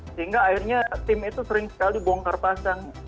sehingga akhirnya tim itu sering sekali bongkar pasang